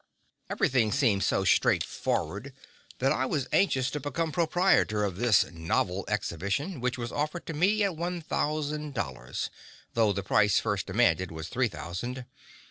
Everything seemed so straightforward that I was anxious to become proprietor of this novel exhibition, which was offered to me at one thousand dollars, though the price first demanded was three thousand.